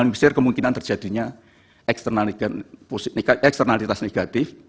menyisir kemungkinan terjadinya eksternalitas negatif